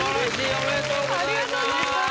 おめでとうございます。